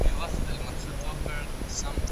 سم نیت روغتیا نه خرابوي.